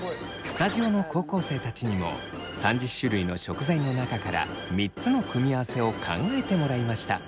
スタジオの高校生たちにも３０種類の食材の中から３つの組み合わせを考えてもらいました。